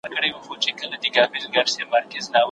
د ارغنداب سیند د حیواناتو او مرغانو د ژوند چاپېریال دی.